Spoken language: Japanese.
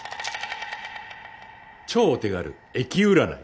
超お手軽易占い。